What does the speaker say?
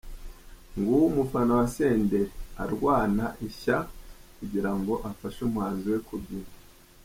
Nguwo umufana wa Senderi arwana ishya kugira ngo afashe umuhanzi we kubyina.